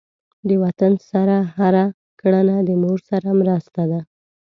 د وطن سره هر کړنه د مور سره مرسته ده.